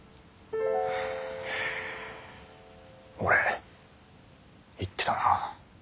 俺言ってたな。